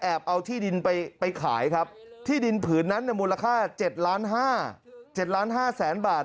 เอาที่ดินไปขายครับที่ดินผืนนั้นมูลค่า๗๕๐๐๐๐บาท